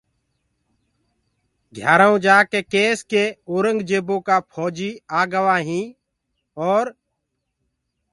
گھِيآرآئونٚ جآڪي ڪيس ڪي اورنٚگجيبو ڪآ ڦوجيٚ آگوآ هيٚنٚ اور